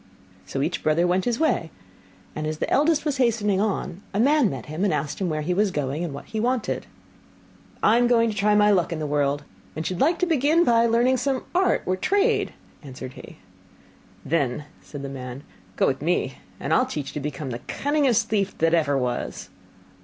So each brother went his way; and as the eldest was hastening on a man met him, and asked him where he was going, and what he wanted. 'I am going to try my luck in the world, and should like to begin by learning some art or trade,' answered he. 'Then,' said the man, 'go with me, and I will teach you to become the cunningest thief that ever was.